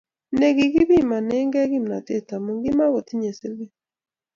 Nekipimanekei kimnatet amu kimakotinyei siling